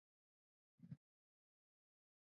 افغانستان د یورانیم لپاره مشهور دی.